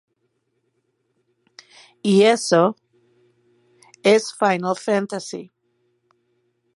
Y eso… es Final Fantasy".